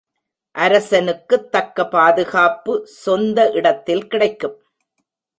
அரசனுக்குத் தக்க பாதுகாப்பு, சொந்த இடத்தில் கிடைக்கும்.